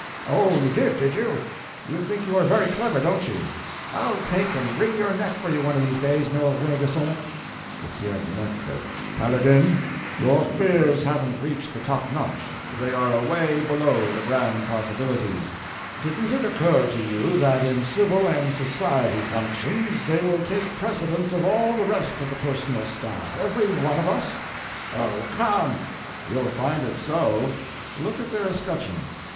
"Oh, you did, did you? You think you are very clever, don't you? I'll take and wring your neck for you one of these days, Noel Rainguesson." The Sieur de Metz said: "Paladin, your fears haven't reached the top notch. They are away below the grand possibilities. Didn't it occur to you that in civil and society functions they will take precedence of all the rest of the personal staff—every one of us?" "Oh, come!" "You'll find it's so. Look at their escutcheon.